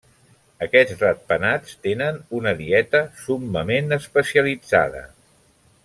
Aquests ratpenats tenen una dieta summament especialitzada.